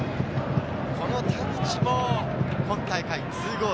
この田口も今大会２ゴール。